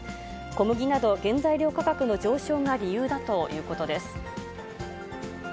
小麦など原材料価格の上昇が理由だということです。